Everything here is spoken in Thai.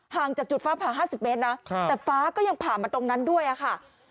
จากจุดฟ้าผ่า๕๐เมตรนะแต่ฟ้าก็ยังผ่ามาตรงนั้นด้วยค่ะ